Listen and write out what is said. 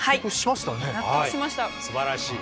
すばらしい。